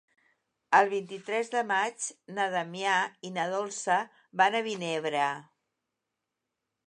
El vint-i-tres de maig na Damià i na Dolça van a Vinebre.